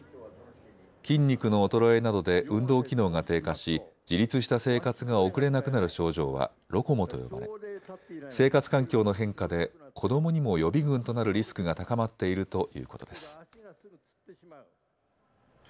筋肉の衰えなどで運動機能が低下し自立した生活が送れなくなる症状はロコモと呼ばれ生活環境の変化で子どもにも予備軍となるリスクが高まっているということです。